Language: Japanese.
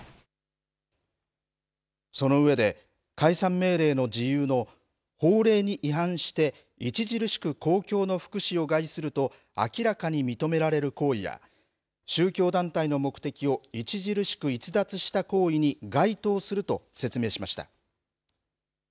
その上で解散命令の事由の法令に違反して著しく公共の福祉を害すると明らかに認められる行為や宗教団体の目的を著しく逸脱した行為に該当すると説明しました。